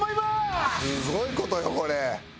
すごい事よこれ。